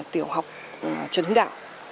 tiểu học truyền hình đạo